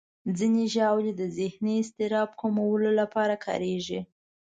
ځینې ژاولې د ذهني اضطراب کمولو لپاره کارېږي.